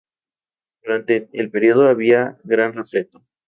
Durante todo el período había gran repleto.